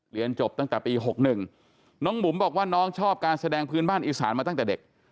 เรียนจบตั้งแต่ปี๖๑น้องบุ๋มบอกว่าน้องชอบการแสดงพื้นบ้านอีสานมาตั้งแต่เด็ก